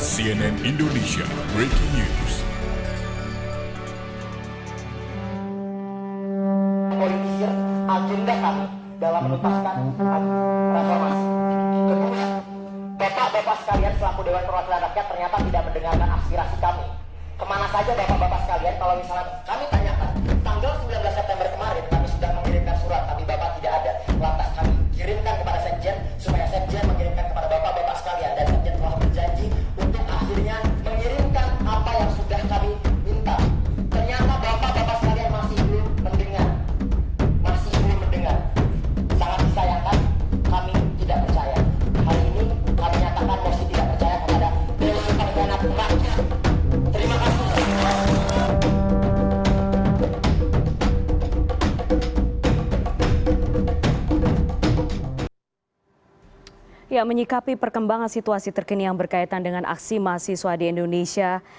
cnn indonesia breaking news